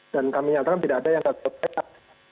dan kami nyatakan tidak ada yang tak tetap